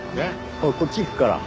俺こっち行くから。